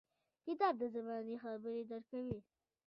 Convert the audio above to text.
• کتاب د زمانې خبرې درکوي.